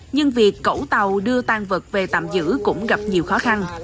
nhưng việc cẩu tàu đưa tàn vật về tạm giữ cũng gặp nhiều khó khăn